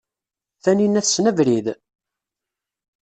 Taninna tessen abrid?